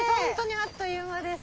あっという間です。